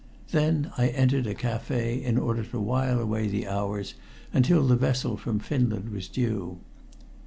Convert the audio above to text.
Then I entered a café in order to while away the hours until the vessel from Finland was due.